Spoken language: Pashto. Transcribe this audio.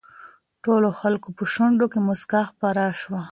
ټولو خلکو په شونډو کې مسکا خپره شوه.